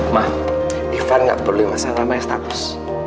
ma ivan gak perlu masalah sama estatus